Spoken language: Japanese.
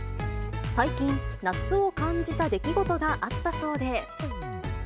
最近、夏を感じた出来事があったそうで。